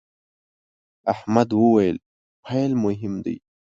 احمد وويل: پیل مهم دی.